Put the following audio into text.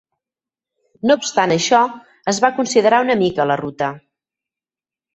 No obstant això, es va considerar una mica la ruta.